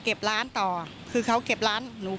ตลอดทั้งคืนตลอดทั้งคืน